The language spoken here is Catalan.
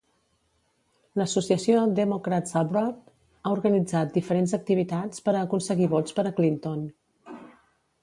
L'associació Democrats Abroad ha organitzat diferents activitats per a aconseguir vots per a Clinton.